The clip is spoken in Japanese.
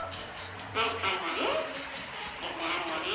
はいあるわね。